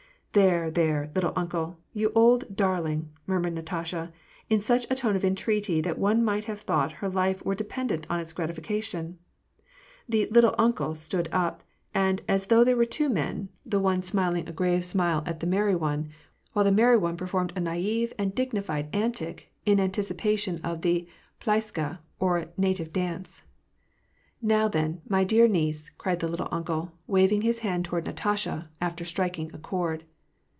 " There, there, ' little uncle !' you old darling !"* murmured Natasha, in such a tone of entreaty that one might have thought her life were dependent on its gratification. The " little un cle " stood up, and as thougli there were two men, — the one • Golubchik. 276 WAR AND PEACE. smiling a grave smile at the merry one, while the merty ond performed a naive and dignified antic in anticipation of the plyaskaj or native dance. " Now, then, my dear niece," cried the " little uncle," waving his hand toward Natasha, after striking a chord.